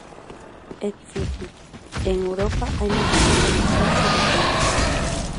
É difícil, e en Europa hai moi distintas visións sobre o tema.